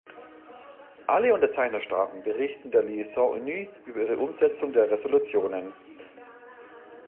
Alle Unterzeichnerstaaten berichten der Liaison Unit über ihre Umsetzung der Resolutionen.